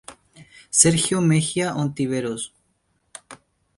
Sergio Mejia Ontiveros